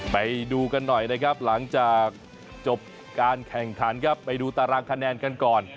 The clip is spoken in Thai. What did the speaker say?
ไปดูกันหน่อยนะครับหลังจากจบการแข่งขันครับไปดูตารางคะแนนกันก่อน